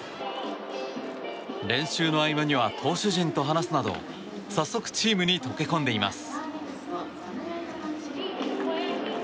練習の合間には投手陣と話すなど早速チームに溶け込んでいます。